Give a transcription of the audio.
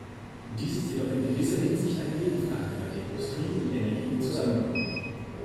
Dies ist jedoch in gewisser Hinsicht eine Nebenfrage, bei der Industrie und Energie zusammenkommen.